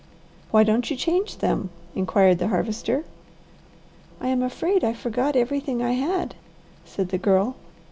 "Why don't you change them?" inquired the Harvester. "I am afraid I forgot everything I had," said the Girl.